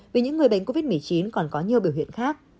vì những người bệnh covid một mươi chín còn có nhiều biểu hiện khác